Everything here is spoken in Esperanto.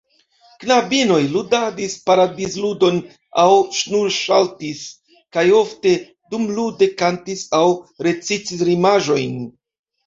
Knabinoj ludadis paradizludon aŭ ŝnursaltis, kaj ofte dumlude kantis aŭ recitis rimaĵojn.